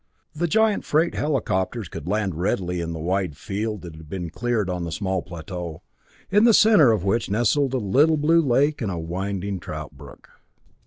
The giant freight helicopters could land readily in the wide field that had been cleared on the small plateau, in the center of which nestled a little blue lake and a winding trout brook.